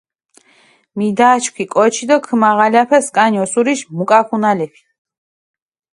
მიდაჩქვი კოჩი დო ქჷმაღალაფე სქანი ოსურიში მუკაქუნალეფი.